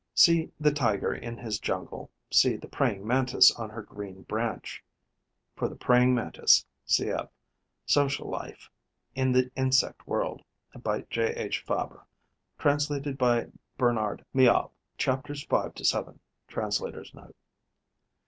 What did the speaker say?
See the Tiger in his jungle, see the Praying Mantis on her green branch. (For the Praying Mantis, cf. "Social Life in the Insect World", by J.H. Fabre, translated by Bernard Miall: chapters 5 to 7. Translator's Note.)